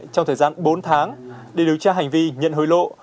trong thời gian bốn tháng để điều tra hành vi nhận hối lộ